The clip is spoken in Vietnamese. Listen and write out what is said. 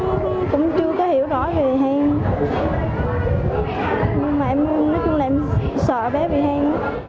nhưng mà em nói chung là em sợ bé bị hen